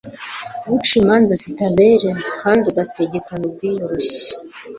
uca imanza zitabera kandi ugategekana ubwiyoroshye